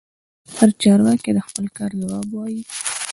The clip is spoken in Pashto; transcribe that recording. هر چارواکي د خپل کار ځواب وايي.